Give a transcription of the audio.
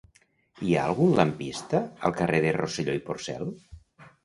Hi ha algun lampista al carrer de Rosselló i Porcel?